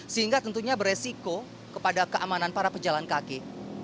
sehingga tentunya beresiko kepada keamanan para pejalan kaki